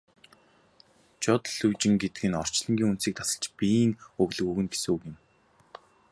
Жод лүйжин гэдэг нь орчлонгийн үндсийг тасалж биеийн өглөг өгнө гэсэн үг юм.